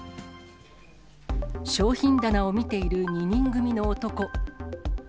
商品棚を見ている２人組の男。